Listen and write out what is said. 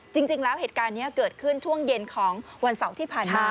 จริงแล้วเหตุการณ์นี้เกิดขึ้นช่วงเย็นของวันเสาร์ที่ผ่านมา